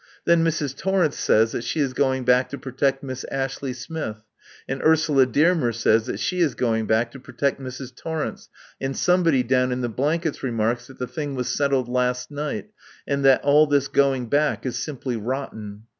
Then Mrs. Torrence says that she is going back to protect Miss Ashley Smith, and Ursula Dearmer says that she is going back to protect Mrs. Torrence, and somebody down in the blankets remarks that the thing was settled last night, and that all this going back is simply rotten.